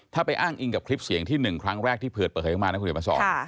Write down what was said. ถ้าไปอ้างอิงกับคลิปเสียงที่หนึ่งครั้งแรกที่เผลอเข้ามาคุณเดียวมาสอน